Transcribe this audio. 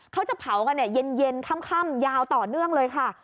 เขาจะเผากันเย็นค่ำยาวต่อเนื่องเลยค่ะ